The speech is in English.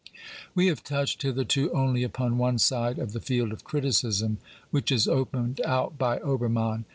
We have touched hitherto only upon one side of the field of criticism which is opened out by Obermann.